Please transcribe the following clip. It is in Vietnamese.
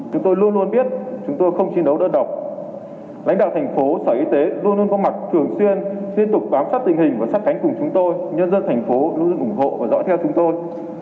chúng tôi luôn luôn biết chúng tôi không chiến đấu đơn độc lãnh đạo thành phố sở y tế luôn luôn có mặt thường xuyên liên tục bám sát tình hình và sát cánh cùng chúng tôi nhân dân thành phố luôn luôn ủng hộ và dõi theo chúng tôi